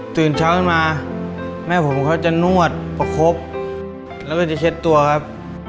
ตื่นเช้าขึ้นมาแม่ผมเขาจะนวดประคบแล้วก็จะเช็ดตัวครับ